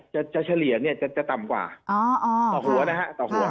จะเฉลี่ยจะต่ำกว่าต่อหัวนะฮะ